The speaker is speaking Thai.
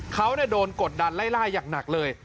เขาโดนกดดันไล่ล่าอย่างหนักเลย